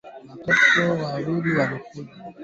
viazi lishe husaidia afya ya kukua kwa mifupa